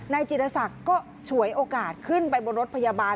จิตรศักดิ์ก็ฉวยโอกาสขึ้นไปบนรถพยาบาล